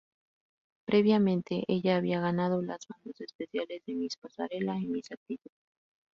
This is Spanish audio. Previamente, ella había ganado las bandas especiales de "Miss Pasarela" y "Miss Actitud".